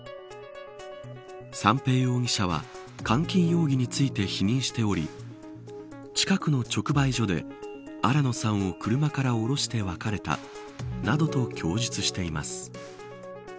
三瓶容疑者は監禁容疑について否認しており近くの直売所で新野さんを車から降ろして別れたなどと供述しています。